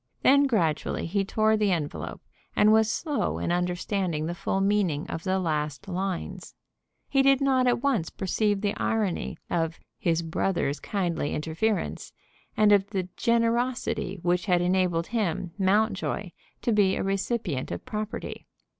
Then gradually he tore the envelope, and was slow in understanding the full meaning of the last lines. He did not at once perceive the irony of "his brother's kindly interference," and of the "generosity" which had enabled him, Mountjoy, to be a recipient of property.